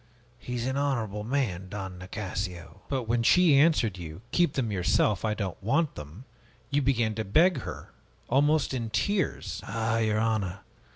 He is an honorable man, Don Nicasio!" "But when she answered you, 'Keep them yourself, I don't want them!' you began to beg her, almost in tears " "Ah, your honor!